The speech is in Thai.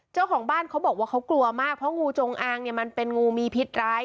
เจ้าของบ้านเขาบอกว่าเขากลัวมากเพราะงูจงอางเนี่ยมันเป็นงูมีพิษร้าย